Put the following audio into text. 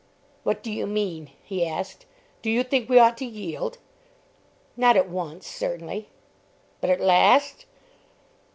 "What do you mean?" he asked. "Do you think we ought to yield?" "Not at once, certainly." "But at last?"